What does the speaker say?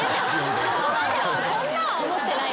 そこまではこんなんは思ってない。